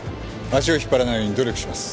足を引っ張らないように努力します。